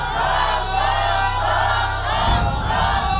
กลบกลบ